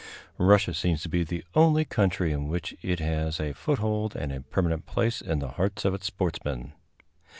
Russia seems to be the only country in which it has a foothold and a permanent place in the hearts of its sportsmen.